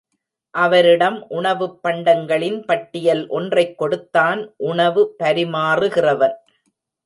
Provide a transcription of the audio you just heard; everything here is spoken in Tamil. அவரிடம் உணவுப் பண்டங்களின் பட்டியல் ஒன்றைக் கொடுத்தான் உணவு பரிமாறுகிறவன்.